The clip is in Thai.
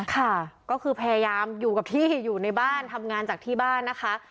ค่ะก็คือพยายามอยู่กับที่อยู่ในบ้านทำงานจากที่บ้านนะคะ